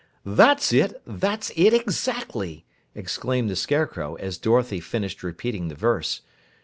"That's it, that's it exactly!" exclaimed the Scarecrow as Dorothy finished repeating the verse.